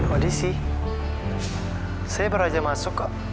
kondisi saya baru aja masuk kok